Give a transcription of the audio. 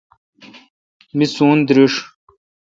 می سون درݭ۔